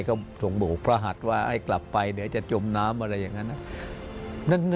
ก็ส่งบอกพระหัดว่าให้กลับไปเดี๋ยวจะจมน้ำอะไรอย่างนั้น